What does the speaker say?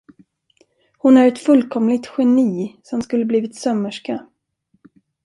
Hon är ett fullkomligt geni som skulle blivit sömmerska.